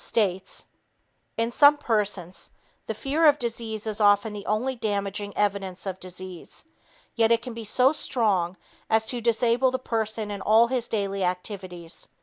states, "In some persons the fear of disease is often the only damaging evidence of disease, yet it can be so strong as to disable the person in all his daily activities."